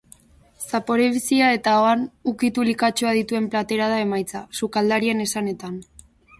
Zapore bizia eta ahoan ukitu likatsua dituen platera da emaitza, sukaldarien esanetan.